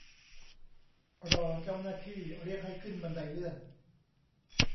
รอเจ้าหน้าที่เรียกให้ขึ้นบันไดเลื่อน